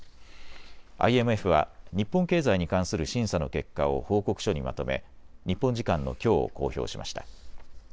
ＩＭＦは日本経済に関する審査の結果を報告書にまとめ日本時間のきょう公表しました。